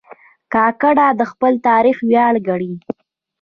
کاکړ د خپل تاریخ ویاړ ګڼي.